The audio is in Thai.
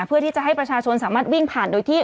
เพื่อที่จะให้ประชาชนสามารถวิ่งผ่านโดยที่